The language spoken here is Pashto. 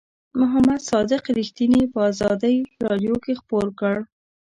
محمد صادق رښتیني په آزادۍ رادیو کې خپور کړ.